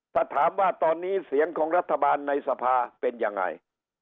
ถ้าถามว่าตอนนี้เสียงของรัฐบาลในสภาเป็นยังไง